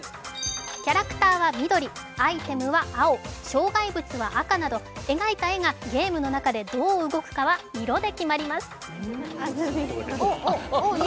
キャラクターは緑、アイテムは青障害物は赤など、描いた絵がゲームの中でどう動くかは色で決まります。